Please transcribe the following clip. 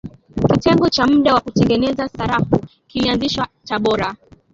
kitengo cha muda cha kutengeneza sarafu kilianzishwa tabora